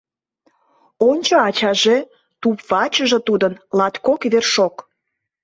Ончо, ачаже, туп-вачыже тудын латкок вершок.